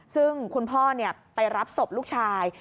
ซึ่งคุณพ่อไปรับศพลูกชาย